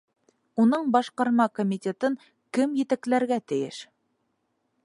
Уның Башҡарма комитетын кем етәкләргә тейеш?